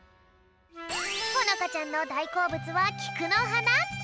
ほのかちゃんのだいこうぶつはきくのはな！